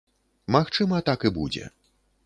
Магчыма, так і будзе.